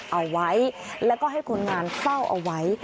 เอาไว้แล้วก็ให้คนงานเฝ้าเอาไว้